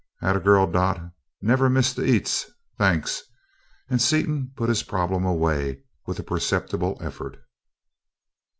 "'At a girl, Dot never miss the eats! Thanks," and Seaton put his problem away, with perceptible effort.